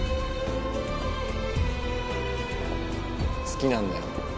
好きなんだよ